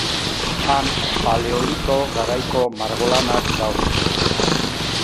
Han, Paleolito garaiko margolanak daude.